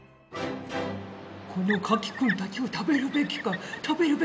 このカキ君たちを食べるべきか食べるべきではないのか。